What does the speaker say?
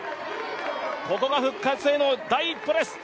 ここが復活への第一歩です。